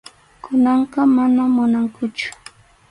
Kunanqa manam munankuchu.